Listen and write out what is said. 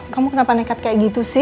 kamu kenapa nekat kayak gitu sih